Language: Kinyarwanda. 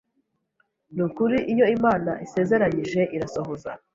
Ni ukuri iyo Imana isezeranyije irasohoza.